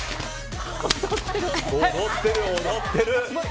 踊ってる、踊ってる。